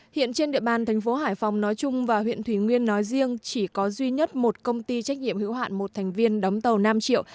hiện trên địa bàn thành phố hải phòng nói chung và huyện thủy nguyên nói riêng chỉ có duy nhất một công ty trách nhiệm hữu hạn một thành viên đóng tàu nam triệu